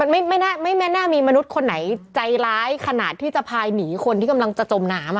มันไม่น่ามีมนุษย์คนไหนใจร้ายขนาดที่จะพายหนีคนที่กำลังจะจมน้ำ